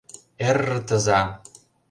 — Эр-р-тыза!